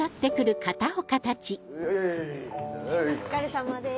お疲れさまです。